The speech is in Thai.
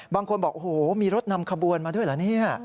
บางคนบอกโอ้โหมีรถนำขบวนมาด้วยเหรอเนี่ย